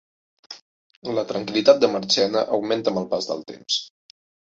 La tranquil·litat de Marchena augmenta amb el pas del temps